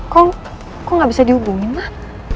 kok nggak bisa dihubungin mah